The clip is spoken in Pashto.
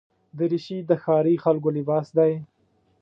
دریشي د ښاري خلکو لباس دی.